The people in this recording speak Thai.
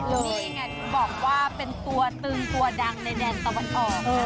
นี่ไงบอกว่าเป็นตัวตึงตัวดังในแดนตะวันออก